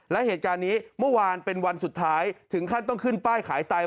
และเหตุการณ์นี้เมื่อวานเป็นวันสุดท้ายถึงขั้นต้องขึ้นป้ายขายไต